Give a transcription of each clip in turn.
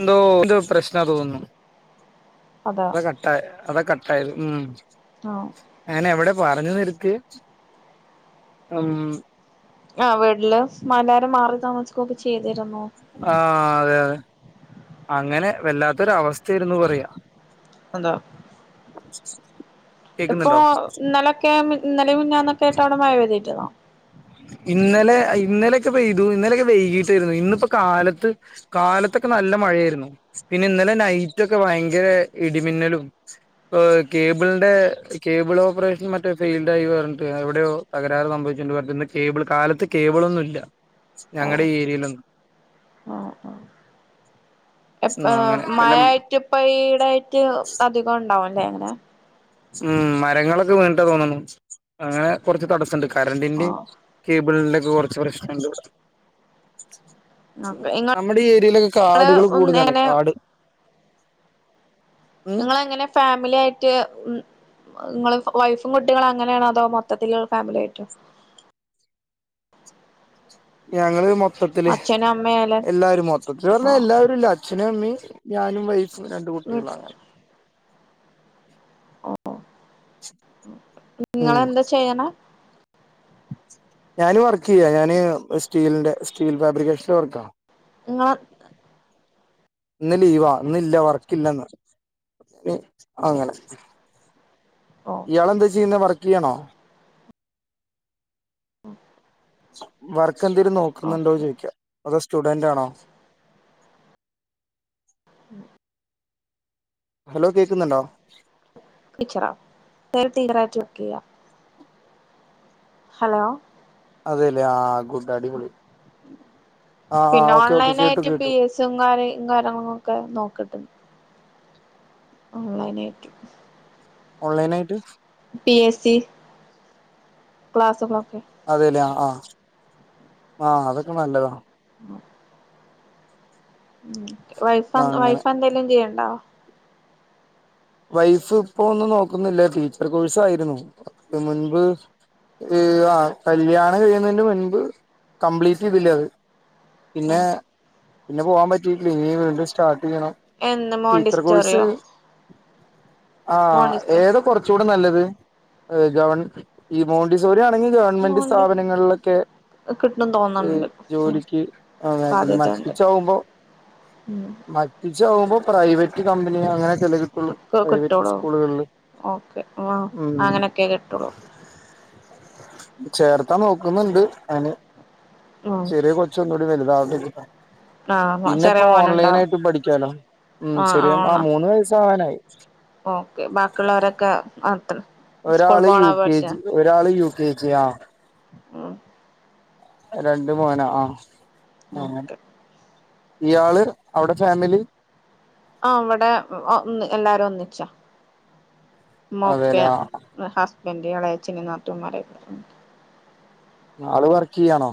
എന്തോ ന്തോ പ്രശ്നാ തോന്നുന്നു അതാ അത് ക ട്ടയെ അതാ കട്ട ആയത് ഉം ആഹ് ഞാനെവിടെ പറഞ്ഞു നിർത്തിയെ ഉം ആഹ് വീട്ടില് എല്ലാരും മാറി താമസിക്കൊക്കെ ചെയ്തിരുന്നു ആഹ് അതെ അതെ അങ്ങനെ വല്ലാത്തൊരവസ്ഥയാരുന്നു പറയാ എന്താ [inaudible] ഇപ്പോ ഇന്നലൊക്കെ ഇന്നലെം മിനിഞ്ഞാന്നെക്കെയായിട്ട് അവടെ മഴ പെയ്തിരുന്നോ ഇന്നലെ ഇന്നലെയൊക്കെ പെയ്തു ഇന്നലൊക്കെ വൈകിട്ടാരുന്നു ഇന്നിപ്പോ കാലത്ത് കാലത്തൊക്കെ നല്ല മഴയാരുന്നു പിന്നെ ഇന്നലെ നൈറ്റ് ഒക്കെ ഭയങ്കര ഇടിമിന്നലും ഓഹ് കേബിളിന്റെ കേബിൾ ഓപ്പറേഷൻ മറ്റേ ഫെയിൽഡ് ആയി പറഞ്ഞിട്ട് എവടെയോ തകരാറ് സംഭവിച്ചിട്ടുണ്ട് പിന്നെ കേബിൾ കാലത്ത് കേബിളൊന്നും ഇല്ല ഓഹ് ഞങ്ങടെ ഏരിയെലൊന്നും എപ്പോ അങ്ങനെ വല്ല മഴയായിട്ട് ഇപ്പം ഈടായിട്ട് അധികം ഉണ്ടാവുംല്ലേ അങ്ങനെ ഉം മരങ്ങളൊക്കെ വീണിട്ടാ തോന്നണു അങ്ങനെ കൊറച്ച് തടസ്സൊണ്ട് കറണ്ടിന്റേം ആഹ് കേ ബ്ള്ന്റെക്കെ കൊറച്ച് പ്രശ്നവോണ്ട് ഓക്കെ ഇങ്ങള് നമ്മടെ ഈ ഏരിലൊക്കെ കാടുകള് കൂടുതലാണെ എങ്ങനെ കാട് ഉം നിങ്ങളെങ്ങനെ ഫാമിലി ആയിട്ട് ഉം നിങ്ങള് വൈഫും കുട്ടികള് അങ്ങനെയാണോ അതോ മൊത്തത്തിലുള്ള ഫാമിലി ആയിട്ടോ ഞങ്ങള് മൊത്തത്തില് അച്ഛനും അമ്മയും എല്ലാരും മൊ ത്തതില് പറഞ്ഞാ ആഹ് എല്ലാവരും ഇല്ല അച്ഛനും അമ്മയും ഞാനും വൈഫും രണ്ട് കുട്ടികളും അങ്ങനെ [inaudible] [inaudible] ഉം ഇങ്ങളെന്താ ചെയ്യണെ ഞാന് വർക്ക് ചെയ്യാ ഞാന് സ്റ്റീലിന്റെ സ്റ്റീൽ ഫാബ്രിക്കേഷൻ്റെ വർക്കാ ങ്ങൾ ഇന്ന് ലീവാ ഇന്ന്ല്ല വർക്കില്ലന്ന് പിൻ അങ്ങന ഓഹ് ഇയാളെന്താ ചെയ്യ്ന്നെ വർക്കിയ്യണോ ആഹ് വർക്കന്തെലും നോക്ക്ന്നൊണ്ടോ ചോയ്ക്കാ അതോ സ്റ്റുഡന്റാണോ ഉം ഹലോ കേക്ക്ന്ന്ണ്ടോ ടീച്ചറാ തേര് ടീലറായ്ട്ട് വർക്കെയ്യ ഹലോ അതെല്ലേ ആഹ് ഗുഡ് അടിപൊളി ആഹ് ആഹ് ഓക്കെ ഓക്കെ കേട്ടു കേട്ടു ചുങ്ങാരെ [unintelligible] നോക്ക്ട്ടേ [unintelligible] ഓൺലൈനായ്ട്ട് പി എസ് സി ക്ലാസ്സുകളൊക്കെ അതെല്ലേ ആ ആഹ് ആഹ് അതൊക്ക നല്ലതാണ് ഉം ഉം ആ, വൈഫന്ന് അങ്ങനെ വൈഫന്തെലും ചെയ്യണ്ടോ വൈഫ് പ്പോ ഒന്നും നോക്കുന്നില്ല ടീച്ചർ കോഴ്‌സായ്ര്ന്നു അതിന് മുൻപ് ര് ആഹ് കല്യാണം കഴിന്നന്റ മുൻപ് കംപ്ലീറ്റ് ചെയ്തില്ല അത് പിന്നെ പിന്ന പോവാം പറ്റിട്ടില്ല ഇനി വീണ്ടും സ്റ്റാർട്ട്യ്യണം എന്ന് മോണ്ടിസ്റ്റോറിയോ ആഹ് മോണ്ടിസ്റ്റോ എത് കൊറച്ചൂട നല്ലത് അ് ഗവൺ ഈ മോണ്ടിസോറി ആണെങ്കി ഗവൺമെന്റ് മോണ്ട് സ്ഥപനങ്ങൾലൊക്കെ കിട്ടും ഏഹ് തോന്ന്ണ്ട് ഉം ജോലിക്ക് പ സാധ്യതണ്ട് മറ്റിച്ചാവുമ്പോ ഉം മ ച്ചാവുമ്പോ പ്രൈവറ്റ് കമ്പ്നി അങ്ങനെക്കല്ലെ കി ഒക്ക കിട്ടോളൂ ഓക്കെ ങ്ങാ അങ്ങനെക്കെ കിട്ടൊള്ളൂ ചേർത്താ നോക്കുന്നുണ്ട് അന് ഉം ചെറിയ കൊ ച്ചു ഒന്നൂടി വലുതാവട്ടെ വെച്ചിട്ട ആഹ് ചെറിയ പിന്നെപ്പോ മോനുണ്ടോ ഓൺലൈനായ്ട്ടും പഠിക്കാലോ ഉം ആഹ് ചെറിയ മ ആണോ മൂന്ന് വയസ്സാവാനായ് ഓക്കെ ബാക്കി ഒള്ളൊരെക്ക ആത്ര ഒരാള് യു കെ ജി ഒരാള് യു കെ ജി ആഹ് ഉം രണ്ട് മോനാ ആഹ് ആ ഓക്കെ ഇയാള് അവ്ടെ ഫാമിലി ആഹ് അവട മ് ഒന്ന് എല്ലാരൊന്നിച്ചാ മ്മ ഉപ്പ്യ അതെല്ലേ ആ ന്ന ഹസ്ബൻഡ് എളെച്ഛന് നാത്തുമ്മാര് ആള് വർക്കിയ്യാണോ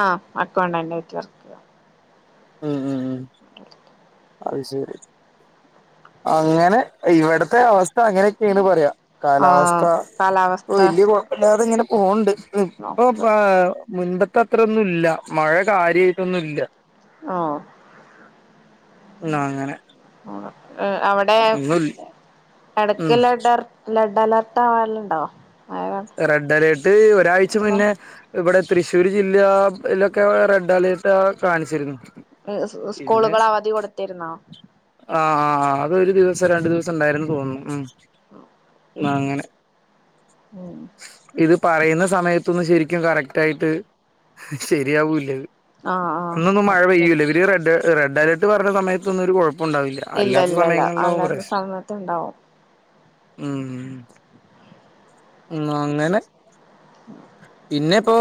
ആഹ് അക്കൗണ്ടന്റയ്ട്ട് വർ ഉം ഉം ഉം അത് ശരി അങ്ങനെ ഇവട്ത്തെ അവസ്ഥ അങ്ങനെക്കെണ് പറയാ കാലാവസ്ഥ ആഹ് പ്പൊ കാലാവസ്ഥ വല്ല്യ കൊഴപ്പല്ലാതെ ഇങ്ങനെ പോണ്ട് നി പ്പൊ നോക്ക പ്പാഅ് മുൻപത്ത അത്രെന്നും ഇല്ല മഴ കാര്യായിട്ടൊന്നു ഇല്ല ആഹ് ന്നാ അങ്ങനെ അവ ങ്ങൾ ലി എടക്ക് ലെഡർ ലെഡ് അലർട്ട് അവാല്ണ്ടോ റെഡ് അലേർട്ട് ഒരാഴ്ച അധികം മുന്നെ ഇവടെ തൃശ്ശൂര് ജില്ലാ ഇലൊക്കെ റെഡ് അലേർട്ടാ കാണിച്ചിര്ന്നു സ്കൂളുകള അവധി കൊട്ത്തിര്ന്നോ ആഹ ആഹ് അതൊ രൂദിവസം രണ്ടു ദിവസം ണ്ടായിന്ന് തോന്നുന്നു ഉ ഉം അങ്ങനെ ഉം ഇത് പറയുന്ന സമയത്ത് അന്ന് ശരിക്കും കറക്റ്റ് ആയിട്ട് ശരിയാവൂല്ല ആഹ് അന്നൊന്നും മഴ ആഹ് പെയ്യൂല്ല ഇവര്റെഡ് റെഡ് അലർട്ട് പറഞ്ഞ സമയത്തൊന്നും ഒരു കുഴപ്പം ഉണ്ടാവില്ല ഇല്ല അല്ലാത്ത ഇല്ല ഇല്ല സമയങ്ങളിലാവ അല്ലാത്ത പ്രശം സമയത്ത് ഉണ്ടാവും ഉം ഉ അങ്ങനെ പിന്നെ ഇപ്പോ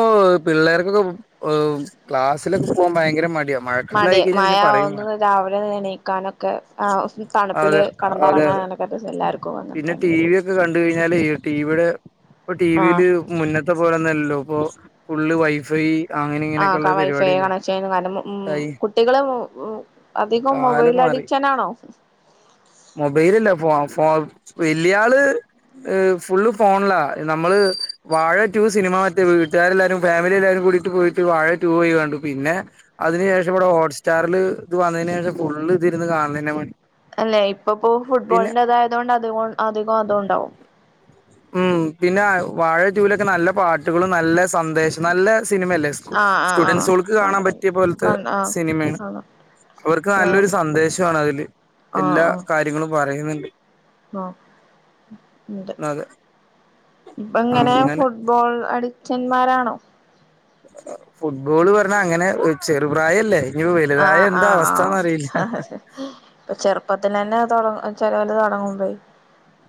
പിള്ളേർക്കൊക്കെ ക്ലാസ്സിലൊക്കെ പോകാൻ ഭയങ്കര മടിയ മടി മഴ ആവുന്നത് രാവിലെ എണീക്കാനൊക്കെ ആ തണുപ്പില് അതെ അതെ അതെ കടന്നിറങ്ങാൻതിനക്ക എല്ലാവർക്കും വന്നിട്ടണ്ട് പിന്നെ ടി വി ഒക്കെ കണ്ട കഴിഞ്ഞാഈ ടിവിയുടെ ഇപ്പൊ ടി വിൽ ആഹ് മുന്നത്തെ പോലന്നല്ലല്ലോ ഇപ്പോ ഫുള്ള് വൈഫൈ അങ്ങനെ ആ ഇങ്ങനെയൊക്കെയുള്ള വൈഫൈ പരിപാടില്ലേ കണക്ഷൻ കാരണം ഉ ട്ടായി കുട്ടികൾ അധികം മൊബൈൽ കാലം മാറി അഡിക്ഷനാണോ മൊബൈലല്ല ഫോൽ ഫ വലിയ ആള് ഫുള്ള് ഫോണല്ല നമ്മള് വാഴ ടു സിനിമ മറ്റേ വീട്ടുകാരെല്ലാരും ഫാമിലി എല്ലാരും കൂടിട്ട് പോയിട്ട് വാഴ പോയി കണ്ടു പിന്നെ അതിനു ശേഷം ഇവിടെ ഹോട്ട് സ്റ്റാറില് ഇത് വന്നതിന് ശേഷം ഫുള്ള് ഇരുന്ന് കാണുന്ന തന്നെ പണി അല്ലെ ഇപ്പപ്പോ പിന്നെ ഫുട്ബോളിന്റെതായതൊണ്ട് അ അധികം അതുണ്ടാവും ഉം പിന്നെ വാഴ ട്ടൂ ലൊക്കെ നല്ല പാട്ടുകളും നല്ല സന്ദേശം നല്ല സിനിമയല്ലേ ആഹ് ആഹ് ആഹ് സ്റ്റുഡന്റ്സുകൾക്ക് കണ്ട കാണാൻ കണ്ട പറ്റിയ പോലത്തെ കണ്ട സിനിമയാണ് ആഹ് അവർക്ക് ആഹ് നല്ലൊരു സന്ദേശമാണ് അതില് എല്ലാ കാര്യങ്ങളും പറയുന്നുണ്ട് ആ ഉണ്ട് അത് എങ്ങനെ അങ്ങനെ ഫുട്ബോൾ അഡിക്റ്റന്മാരാണോ ഫുട്ബോള് പറഞ്ഞ അങ്ങനെ ചെറുപ പ്രായല്ലേ ഇവ വലുതായ ആഹ് എന്താ ആഹ് അവസ്ഥന്ന്റിയില്ല ആഹ് അതെ ഇപ്പൊ ചെറുപ്പത്തി തന്നെ തുട ചെലവല് തുടങ്ങുംപയി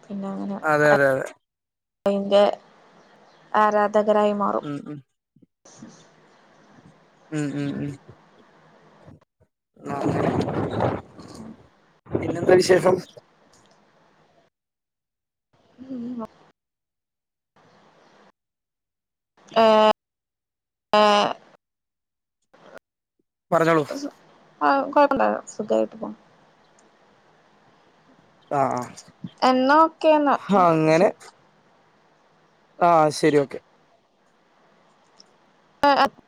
പിന്നെ അങ്ങനെ അതെ അതെ അതെ അയ്ന്റെ ആരാധകരായ് മാറും ഉം ഉം ഉം ഉം ഉ [inaudible] പിന്നെ എന്താ വിശേഷം [unintelligible] ഏഹ് ഏഹ് പറഞ്ഞോളൂ ആഹ് കൊഴപ്പല്ല സുഖായിട്ട് പോവുന്നു ആഹ ആഹ് എന്നാ ഒക്കെ എന്നാ ആഹ് അങ്ങനെ ആഹ് ശരി ഓക്കെ ആ അ് [unintelligible]